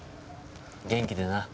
元気でな。